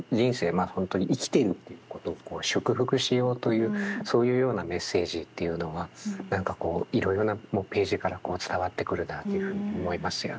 本当に生きているということを祝福しようというそういうようなメッセージっていうのが何かこういろいろなページから伝わってくるなというふうに思いますよね。